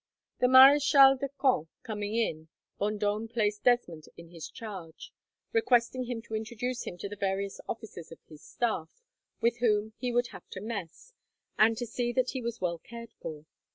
The marechal de camp coming in, Vendome placed Desmond in his charge, requesting him to introduce him to the various officers of his staff, with whom he would have to mess, and to see that he was well cared for.